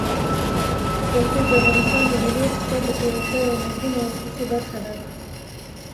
کلتور د افغانستان د ملي اقتصاد د پیاوړتیا یوه مهمه او اساسي برخه ده.